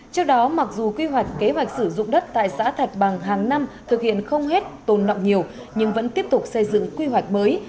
trước đó mặc dù quy hoạch kế hoạch sử dụng đất tại xã thạch bằng hàng năm thực hiện không hết tồn nọng nhiều nhưng vẫn tiếp tục xây dựng quy hoạch mới